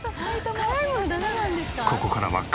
「辛いものダメなんですか？」